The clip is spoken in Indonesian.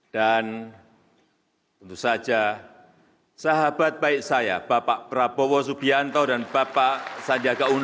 dan tentu saja sahabat baik saya bapak prabowo subianto dan bapak sadyaga uno